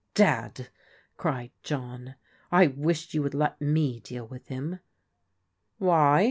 " Dad !" cried John, " I wish you would let me deal with him." Why